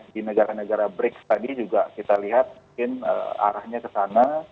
di negara negara bricks tadi juga kita lihat mungkin arahnya ke sana